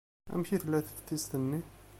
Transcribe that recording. Amek i tella teftist-nni?